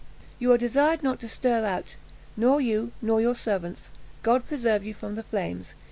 You are desired not to stir out, nor you, nor your servants. God preserve you from the flames!